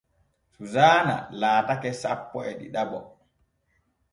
Suusana laatake sappo e ɗiɗaɓo.